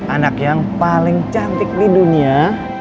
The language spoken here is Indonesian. anak yang paling cantik di dunia